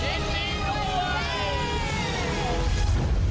เช่นมีด้วย